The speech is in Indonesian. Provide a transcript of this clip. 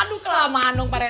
aduh kelamaan dong pak rt